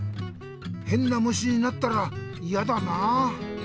へんなむしになったらいやだなあ。